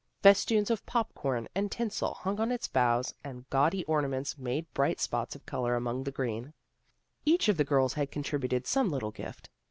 Festoons of popcorn and tinsel hung on its boughs and gaudy ornaments made CHRISTMAS CELEBRATIONS 215 bright spots of color among the green. Each of the girls had contributed some little gift.